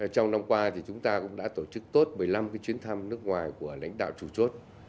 trong năm qua thì chúng ta cũng đã tổ chức tốt một mươi năm chuyến thăm nước ngoài của lãnh đạo chủ chốt